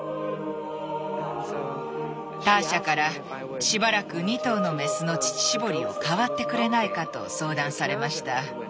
ターシャから「しばらく２頭のメスの乳搾りを代わってくれないか」と相談されました。